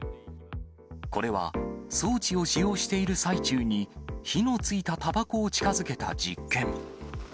これは装置を使用している最中に、火のついたたばこを近づけた実験。